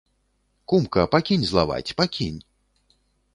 Кумка, пакінь злаваць, пакінь.